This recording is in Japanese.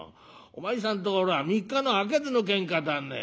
お前さんところは三日のあげずのけんかだね。